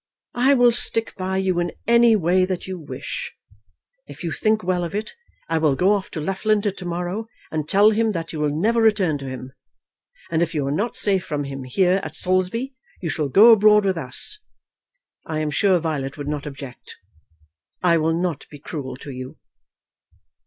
I will stick by you in any way that you wish. If you think well of it, I will go off to Loughlinter to morrow, and tell him that you will never return to him. And if you are not safe from him here at Saulsby, you shall go abroad with us. I am sure Violet would not object. I will not be cruel to you."